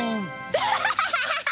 ハハハハハ！